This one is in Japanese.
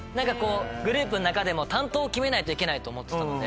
グループの中で担当を決めないといけないと思ってたので。